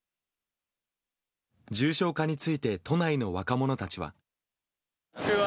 重症化について都内の若者たちは。